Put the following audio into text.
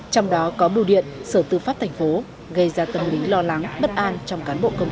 trong đó có bưu điện sở tư pháp tp gây ra tâm lý lo lắng bất an trong cán bộ công ty